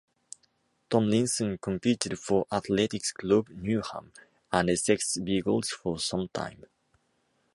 Tomlinson competed for athletics club Newham and Essex Beagles for some time.